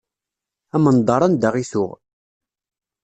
Amendeṛ anda i tuɣ.